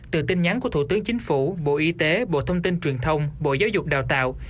từ tin nhắn của thủ tướng chính phủ bộ y tế bộ thông tin truyền thông bộ giáo dục đào tạo